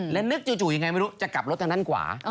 แล้วนึกจู่ยังไงไม่รู้จะกลับรถทางด้านขวา